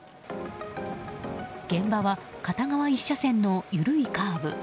現場は片側１車線の緩いカーブ。